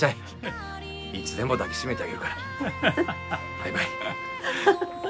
バイバイ。